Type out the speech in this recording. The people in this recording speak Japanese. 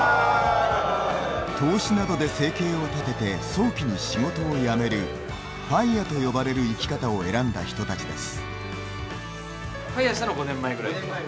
投資などで生計を立てて早期に仕事を辞めるＦＩＲＥと呼ばれる生き方を選んだ人たちです。